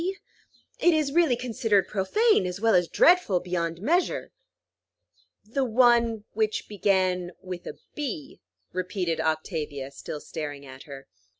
It is really considered profane, as well as dreadful beyond measure." "'The one which began with a B,'" repeated Octavia, still staring at her.